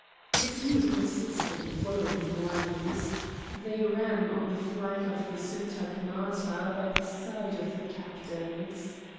A few persisted in following the armies. They ran on the flank of the syntagmata by the side of the captains.